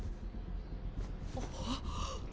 あっ。